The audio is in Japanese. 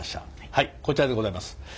はいこちらでございます。